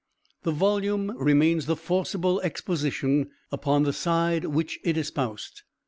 The volume remains the forcible exposition upon the side which it espoused.